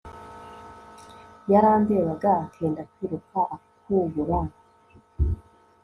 yarandebaga akenda kwiruka akubura